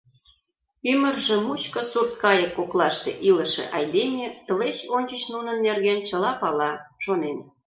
Ӱмыржӧ мучко сурткайык коклаште илыше айдеме, тылеч ончыч нунын нерген чыла пала, шонен.